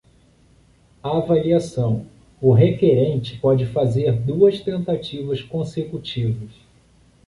Avaliação: o requerente pode fazer duas tentativas consecutivas.